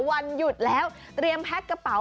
วันหยุดแล้วเตรียมแพ็คกระเป๋า